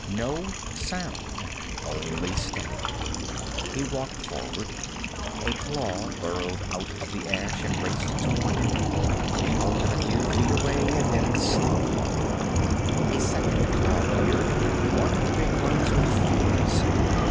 No sound. Only static. He walked forward. A claw burrowed out of the ash and raced toward him. It halted a few feet away and then slunk off. A second claw appeared, one of the big ones with feelers.